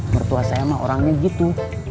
mertua saya mah orangnya gitu